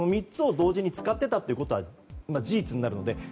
３つを同時に使っていたことは事実になるので。